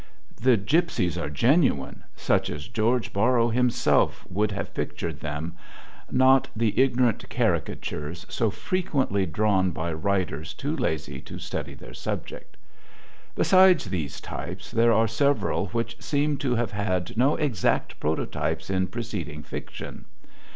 The Gypsies are genuine such as George Borrow, himself, would have pictured them not the ignorant caricatures so frequently drawn by writers too lazy to study their subject. Besides these types, there are several which seem to have had no exact prototypes in preceding fiction.